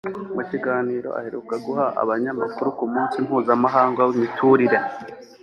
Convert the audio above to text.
mu kiganiro aheruka guha abanyamakuru ku munsi mpuzamahanga w’imiturire